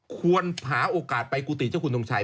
ควรหาโอกาสไปกูติเจ้าขุนตรงชัย